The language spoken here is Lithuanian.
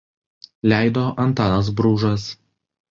Leido Antanas Bružas.